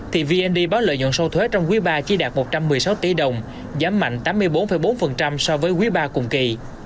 thì vnd báo lợi nhuận sầu thuế trong quý ba chỉ đạt một trăm một mươi sáu tỷ đồng giảm mạnh tám mươi bốn bốn so với quý ba cùng kỳ